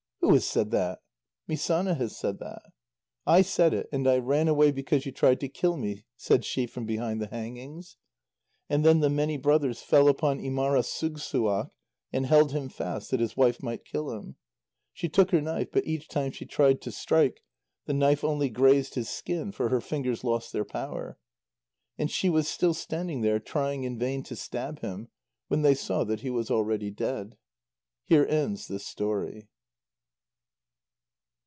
"Who has said that?" "Misána has said that." "I said it, and I ran away because you tried to kill me," said she from behind the hangings. And then the many brothers fell upon Ímarasugssuaq and held him fast that his wife might kill him; she took her knife, but each time she tried to strike, the knife only grazed his skin, for her fingers lost their power. And she was still standing there trying in vain to stab him, when they saw that he was already dead. Here ends this story.